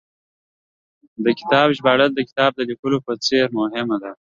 د کتاب ژباړه، د کتاب د لیکلو په څېر مهمه ده